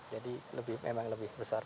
jadi memang lebih besar